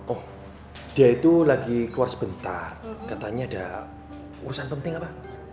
oh dia itu lagi keluar sebentar katanya ada urusan penting apa